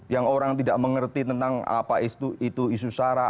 yang orang tidak mengerti tentang apa itu isu sara